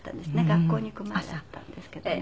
学校に行く前だったんですけどね。